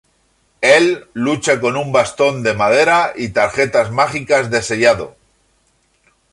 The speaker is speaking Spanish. Él lucha con un bastón de madera y tarjetas mágicas de sellado.